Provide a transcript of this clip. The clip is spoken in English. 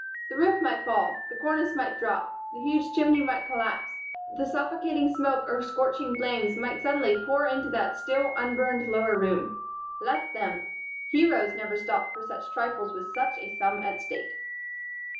The roof might fall, the cornice might drop, the huge chimney might collapse, the suffocating smoke or scorching flames might suddenly pour into that still unburned lower room. Let them! Heroes never stopped for such trifles with such a sum at stake.